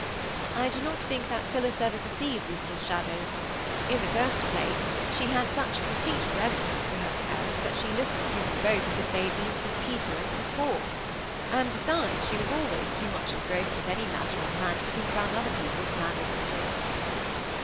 I do not think that Phillis ever perceived these little shadows; in the first place, she had such complete reverence for her parents that she listened to them both as if they had been St Peter and St Paul; and besides, she was always too much engrossed with any matter in hand to think about other people's manners and looks.